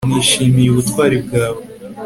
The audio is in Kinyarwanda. nishimiye ubutwari bwawe